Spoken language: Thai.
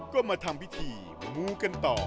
ก็มาทำพิธีมูกันต่อ